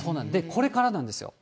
これからなんですよ。